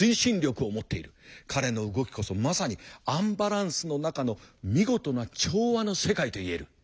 彼の動きこそまさにアンバランスの中の見事な調和の世界と言える。